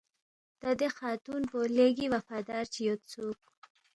تا دے خاتون پو لیگی وفادار چی یودسُوک